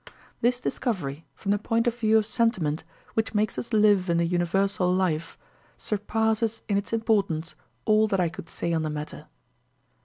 "This discovery, from the point of view of sentiment, which makes us live in the universal life, surpasses in its importance all that I could say on the matter.